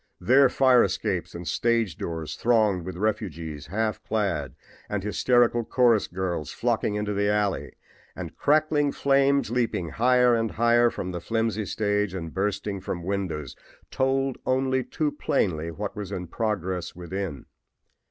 There fire escapes and stage doors thronged with refugees, half clad and hysterical chorus girls flocking into the alley, and crackling flames leaping higher and higher from the flimsy stage and bursting from windows, told only too plainly what was in progress within.